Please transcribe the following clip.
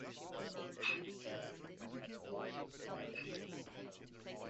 He is also Chairman of the Board of Directors of Patients Know Best.